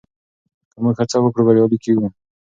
که موږ هڅه وکړو بریالي کېږو.